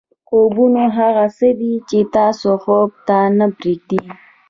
خوبونه هغه څه دي چې تاسو خوب ته نه پرېږدي.